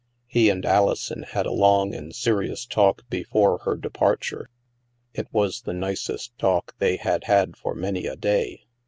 He and Alison had a long and serious talk before her departure. It was the nicest talk they had had for many a day.